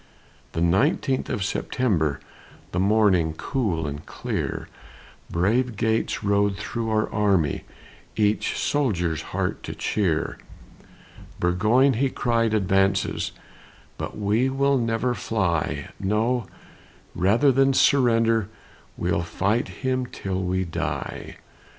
The nineteenth of September, The morning cool and clear, Brave Gates rode through our army, Each soldier's heart to cheer; "Burgoyne," he cried, "advances, But we will never fly; No rather than surrender, We'll fight him till we die!"